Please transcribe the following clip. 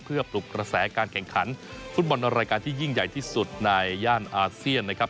เพื่อปลุกกระแสการแข่งขันฟุตบอลรายการที่ยิ่งใหญ่ที่สุดในย่านอาเซียนนะครับ